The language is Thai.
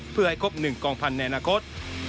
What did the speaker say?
เพื่อให้ครบ๑กองพันธุ์ในอนาคต